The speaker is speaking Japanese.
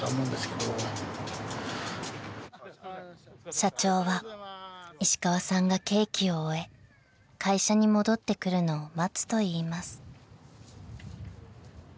［社長は石川さんが刑期を終え会社に戻ってくるのを待つといいます］